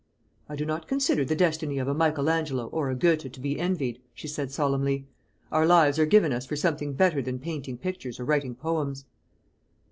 "I do not consider the destiny of a Michael Angelo or a Goethe to be envied," she said solemnly. "Our lives are given us for something better than painting pictures or writing poems."